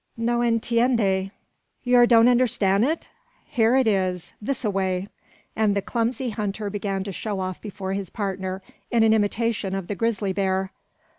"No entiende." "Yer don't understan' it! Hyar it is; thisa way;" and the clumsy hunter began to show off before his partner, in an imitation of the grizzly bear.